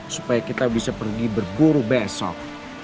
supaya kita bisa pergi berburu besok